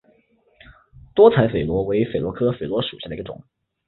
多彩榧螺为榧螺科榧螺属下的一个种。